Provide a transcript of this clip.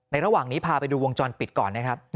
ระหว่างนี้พาไปดูวงจรปิดก่อนนะครับ